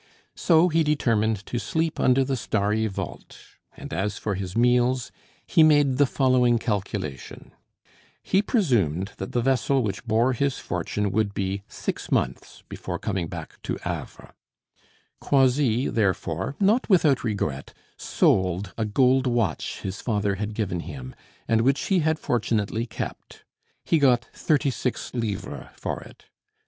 So he determined to sleep under the starry vault, and as for his meals, he made the following calculation; he presumed that the vessel which bore his fortune would be six months before coming back to Havre; Croisilles, therefore, not without regret, sold a gold watch his father had given him, and which he had fortunately kept; he got thirty six livres for it.